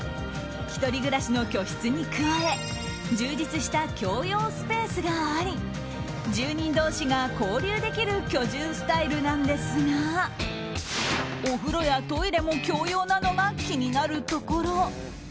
一人暮らしの居室に加え充実した共用スペースがあり住人同士が交流できる居住スタイルなんですがお風呂やトイレも共用なのが気になるところ。